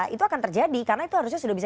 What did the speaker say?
itu akan terjadi karena itu harusnya sudah bisa